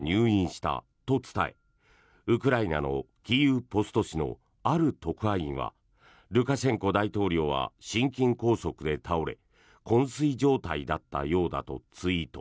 ベラルーシの野党はテレグラムで１３日にルカシェンコ大統領が入院したと伝えウクライナのキーウ・ポスト紙のある特派員はルカシェンコ大統領は心筋梗塞で倒れこん睡状態だったようだとツイート。